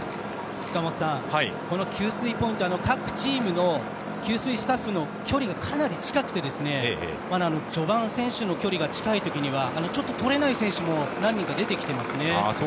塚本さん給水ポイント、各チームの給水スタッフの距離がかなり近くて序盤、選手の距離が近い時には取れない選手も何人か出てきていますね。